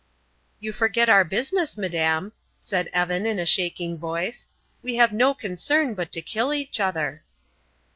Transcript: "You forget our business, madam," said Evan, in a shaking voice; "we have no concern but to kill each other."